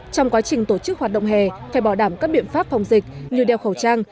trong quá trình tổ chức hoạt động hè phải bảo đảm các biện pháp phòng dịch như đeo khẩu trang